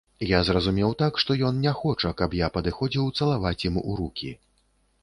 Я зразумеў так, што ён не хоча, каб я падыходзіў цалаваць ім у рукі.